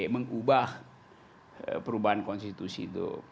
mengubah perubahan konstitusi itu